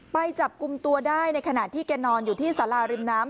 ไปจับกลุ่มตัวได้ในขณะที่แกนอนอยู่ที่สาราริมน้ำ